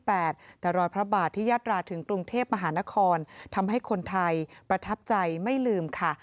แต่รอยพระบาทที่ยาตราถึงกรุงเทพมหานครทำให้คนไทยประทับใจไม่ลืมค่ะ